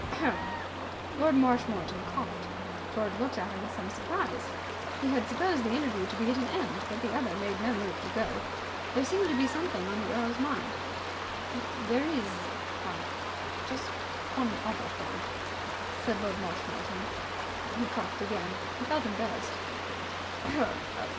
Lord Marshmoreton coughed. George looked at him with some surprise. He had supposed the interview to be at an end, but the other made no move to go. There seemed to be something on the earl's mind. "There is ah just one other thing," said Lord Marshmoreton. He coughed again. He felt embarrassed.